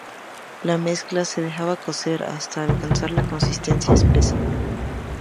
La mezcla se dejaba cocer hasta alcanzar una consistencia espesa.